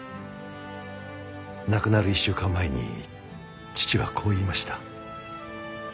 亡くなる１週間前に父はこう言いました。